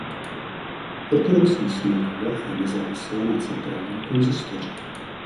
Ortodoxní synagoga je nezávislá na centrální konzistoři.